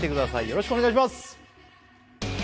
よろしくお願いします